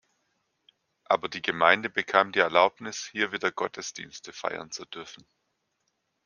Aber die Gemeinde bekam die Erlaubnis hier wieder Gottesdienste feiern zu dürfen.